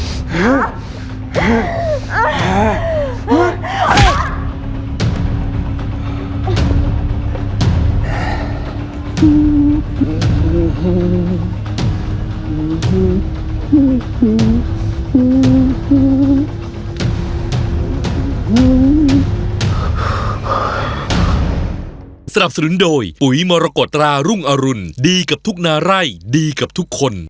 สนับสนุนโดยปุ๋ยมรกฎรารุ่งอรุณดีกับทุกนาไร่ดีกับทุกคน